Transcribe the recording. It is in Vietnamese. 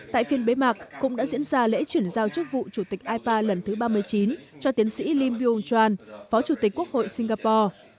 tại phiên bế mạc cũng đã diễn ra lễ chuyển giao chức vụ chủ tịch ipa lần thứ ba mươi chín cho tiến sĩ lim bieung tran phó chủ tịch quốc hội singapore